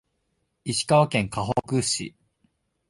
石川県かほく市